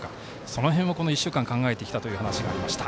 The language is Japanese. その辺を、１週間考えてきたという話がありました。